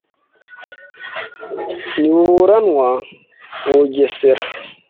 Ntibuburanwa u Bugesera